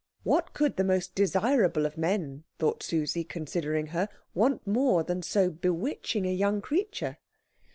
What could the most desirable of men, thought Susie, considering her, want more than so bewitching a young creature?